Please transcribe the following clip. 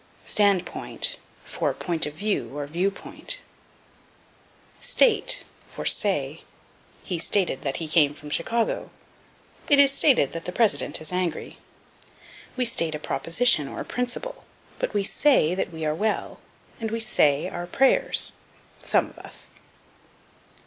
Standpoint for Point of View, or Viewpoint. State for Say. "He stated that he came from Chicago." "It is stated that the president is angry." We state a proposition, or a principle, but say that we are well. And we say our prayers some of us.